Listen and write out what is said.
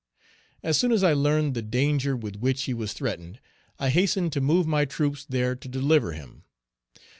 As soon as I learned the danger with which he was threatened, I hastened to move my troops there to deliver him.